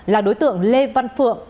là đối tượng lê văn phượng